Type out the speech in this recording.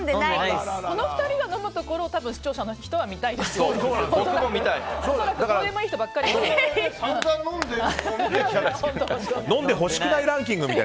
この２人が飲むところを多分、視聴者の人は僕も見たい。